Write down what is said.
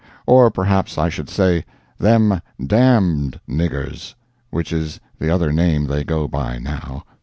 Or perhaps I should say "them damned niggers," which is the other name they go by now.